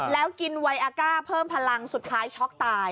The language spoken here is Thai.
แล้วกินไวอาก้าเพิ่มพลังสุดท้ายช็อกตาย